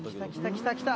きたきた！